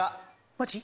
マジ？